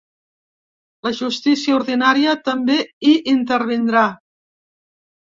La justícia ordinària també hi intervindrà.